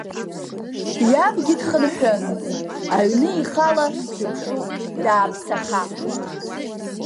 Иабгьы дхынҳәын, аҩны ихала дыԥшуп дааԥсаха.